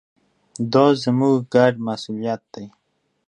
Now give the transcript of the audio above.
دا زموږ ګډ مسوولیت دی.